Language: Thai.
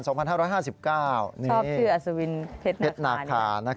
ชอบคืออสวินเผ็ดหนักขาน